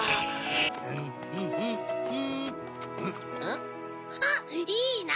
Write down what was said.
ん？あっいいな！